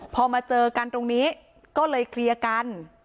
พอมาเจอกันตรงนี้ก็เลยเคลียร์กัน